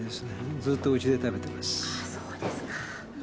ずっとうちで食べてます。